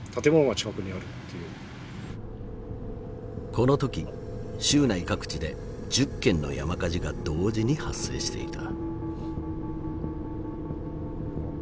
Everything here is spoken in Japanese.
この時州内各地で１０件の山火事が同時に発生していた。